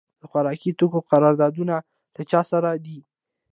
د خوراکي توکو قراردادونه له چا سره دي؟